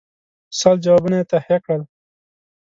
سل جوابونه یې تهیه کړل.